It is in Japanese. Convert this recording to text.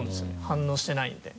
反応してないんで。